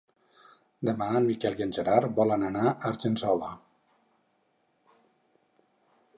Demà en Miquel i en Gerard volen anar a Argençola.